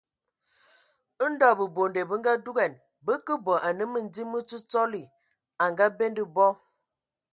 Ndɔ bəbonde bə ngadugan, bə kə bɔ anə Məndim mə Ntsotsɔli a ngabende bɔ.